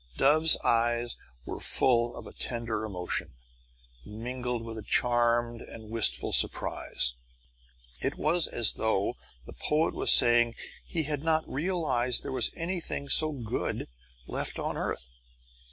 Dove's eyes were full of a tender emotion, mingled with a charmed and wistful surprise. It was as though the poet was saying he had not realized there was anything so good left on earth.